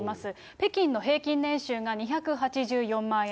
北京の平均年収が２８４万円。